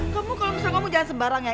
kamu kalau misalnya ngomong jangan sembarangan